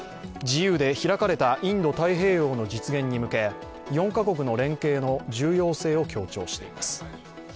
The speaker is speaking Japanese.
自由で開かれたインド太平洋の実現に向け４カ国の連携の重要性を強調しています。